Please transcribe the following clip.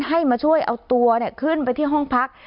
ให้มาช่วยเอาตัวขึ้นไปที่ห้องพัก